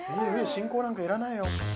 進行なんかいらないよ